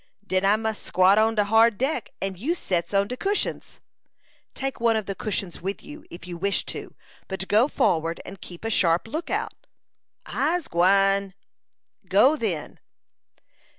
"Den I mus squat on de hard deck, and you sets on de cushions." "Take one of the cushions with you, if you wish to; but go forward and keep a sharp lookout." "I'se gwine." "Go, then."